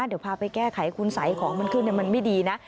เดี๋ยวพาไปแก้ไขคุณสัยของมันขึ้นมันไม่ดีนะ